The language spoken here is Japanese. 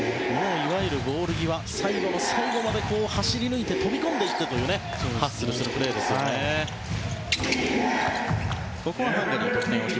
いわゆるボール際最後の最後まで走りぬいて飛び込んでいくというハッスルするプレーですね。